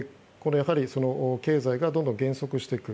経済がどんどん減速していく。